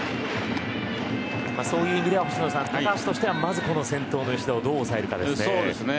そういう意味では星野さん高橋としてはまずこの先頭の吉田をどう抑えるかですね。